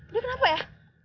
dia kenapa ya